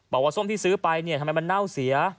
ส้มที่ซื้อไปเนี่ยทำไมมันเน่าเสีย